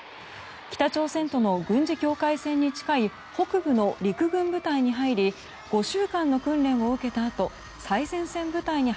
北朝鮮との軍事境界線に近い北部の陸軍部隊に入り５週間の訓練を受けたあと最前線部隊に